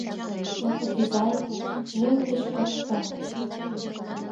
Япык изай, вуй пеш коршта!